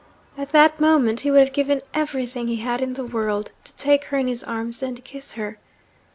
At that moment he would have given everything he had in the world to take her in his arms and kiss her.